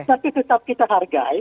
tapi tetap kita hargai